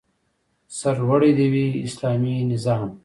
سرلوړی دې وي اسلامي نظام